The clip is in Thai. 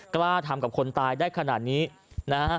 กล้าทำกับคนตายได้ขนาดนี้นะฮะ